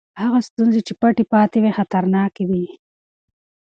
هغه ستونزې چې پټې پاتې وي خطرناکې دي.